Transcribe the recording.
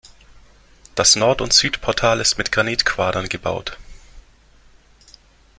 Das Nord- und Südportal ist mit Granitquadern gebaut.